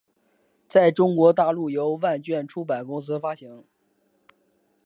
在中国大陆由万卷出版公司发行。